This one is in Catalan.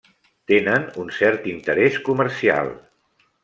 Tenen un cert interès comercial.